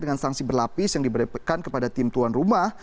dengan sanksi berlapis yang diberikan kepada tim tuan rumah